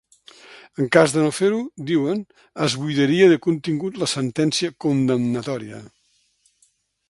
En cas de no fer-ho, diuen, es buidaria de contingut la sentència condemnatòria.